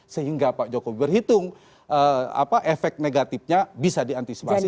sehingga pak jokowi berhitung efek negatifnya bisa diantisipasi